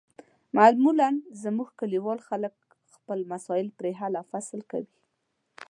معمولا زموږ کلیوال خلک خپل مسایل پرې حل و فصل کوي.